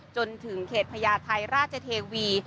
จนถึงเขตพญาไทยราชเทวี